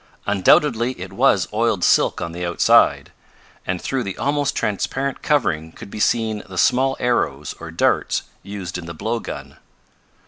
Undoubtedly it was oiled silk on the outside, and through the almost transparent covering could be seen the small arrows, or darts, used in the blow gun.